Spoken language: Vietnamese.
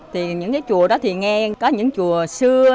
thì những cái chùa đó thì ngang có những chùa xưa